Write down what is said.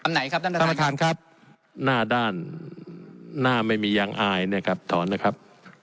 ไหนครับท่านประธานครับหน้าด้านหน้าไม่มียังอายเนี่ยครับถอนนะครับ